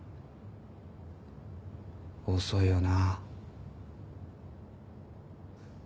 遅いよな。